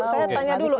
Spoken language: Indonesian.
saya tanya dulu